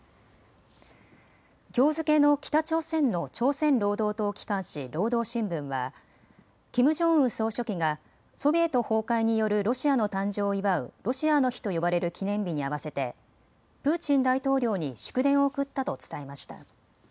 きょう付けの北朝鮮の朝鮮労働党機関紙、労働新聞はキム・ジョンウン総書記がソビエト崩壊によるロシアの誕生を祝うロシアの日と呼ばれる記念日に合わせてプーチン大統領に祝電を送ったと伝えました。